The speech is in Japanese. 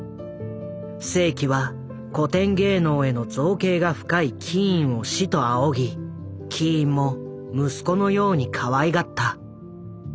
誠己は古典芸能への造詣が深いキーンを師と仰ぎキーンも息子のようにかわいがった。